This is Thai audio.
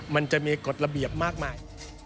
มันจะมีกฎระเบียบมากมาย